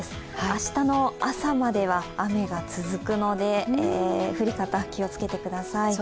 明日の朝までは雨が続くので、降り方、気をつけてください。